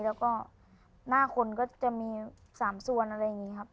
แล้วก็หน้าคนก็จะมี๓ส่วนอะไรอย่างนี้ครับ